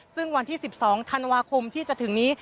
ซึ่งวันที่๑๒ธันวาคมที่จะถึงนี้